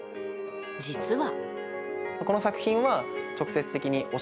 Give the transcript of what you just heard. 実は。